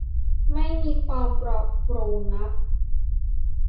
ไม่มีความปลอดโปร่งนัก